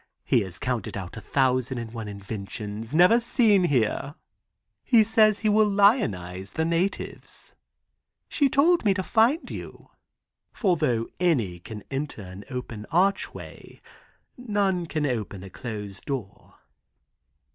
He has counted out a thousand and one inventions never seen here. He says he will lionize the natives. She told me to find you, for though any can enter an open archway, none can open a closed door."